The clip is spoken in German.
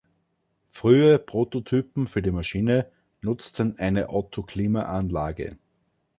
Frühe Prototypen für die Maschine nutzten eine Autoklimaanlage.